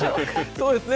そうですね。